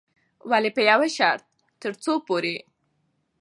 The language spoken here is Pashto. ولې په يوه شرط، ترڅو پورې